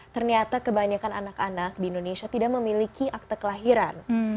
ternyata kebanyakan anak anak di indonesia tidak memiliki akte kelahiran